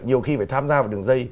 nhiều khi phải tham gia vào đường dây